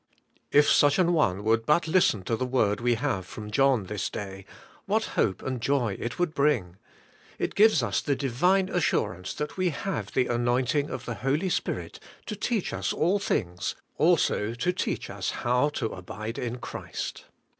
If such an one would but listen to the word we have from John this day, what hope and joy it would bring ! It gives us the Divine assurance that we have the anointing of the Holy Spirit to teach us all things, also to teach us how to abide in Christ.